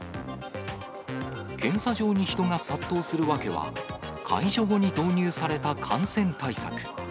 検査場に人が殺到する訳は、解除後に導入された感染対策。